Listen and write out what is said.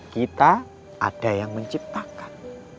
kita ada yang menciptakan